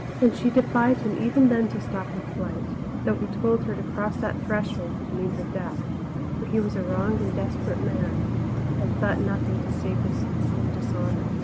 And she defied him even then to stop her flight, though he told her to cross that threshold would mean her death; for he was a wronged and desperate man and thought of nothing save his own dishonour.